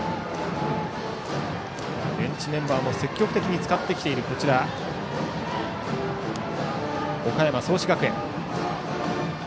ベンチメンバーも積極的に使ってきている岡山・創志学園。